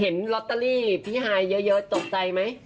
เห็นลอตเตอรี่ฮายเยอะตกใจไหม